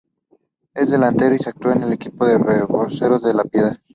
Es delantero y su actual equipo es Reboceros de La Piedad.